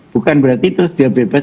bukan berarti terus dia bebas